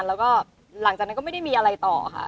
แล้วก็หลังจากนั้นก็ไม่ได้มีอะไรต่อค่ะ